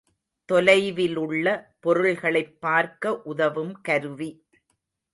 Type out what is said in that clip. தொலைவிலுள்ள பொருள்களைப் பார்க்க உதவும் கருவி.